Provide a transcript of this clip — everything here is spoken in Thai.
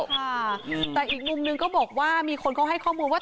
ใช่ค่ะแต่อีกมุมหนึ่งก็บอกมีคนก็ให้ข้อมูลว่า